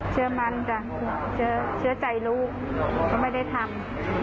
เชื่อมันจ้ะเชื่อใจลูกก็ไม่ได้ทำ